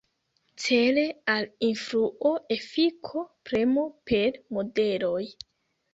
Cele al influo, efiko, premo per modeloj.